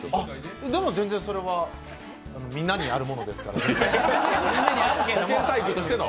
そもそもそれはみんなにあるものですから。